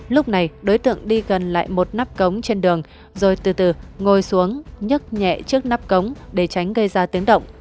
lúc này đối tượng đi gần lại một nắp cống trên đường rồi từ từ ngồi xuống nhức nhẹ trước nắp cống để tránh gây ra tiếng động